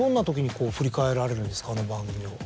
あの番組を。